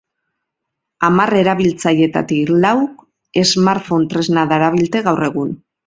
Hamar erabiltzailetik lauk smartphone tresna darabilte gaur egun.